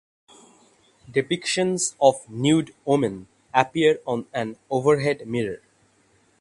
Depictions of nude women appear on an overhead mirror.